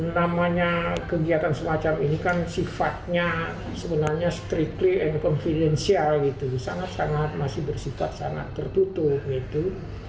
namanya kegiatan semacam ini kan sifatnya sebenarnya strictly and confidential gitu sangat sangat masih bersifat sangat tertutup gitu